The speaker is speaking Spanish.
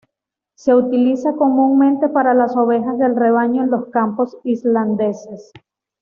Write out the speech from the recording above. Se utiliza comúnmente para las ovejas del rebaño en los campos islandeses.